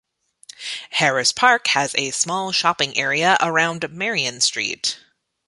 Harris Park has a small shopping area around Marion Street.